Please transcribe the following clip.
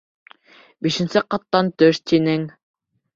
Бишенсе ҡаттан төш, тинең!